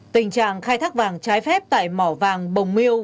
tình trạng khai thác vàng trái phép tại mỏ vàng bồng miêu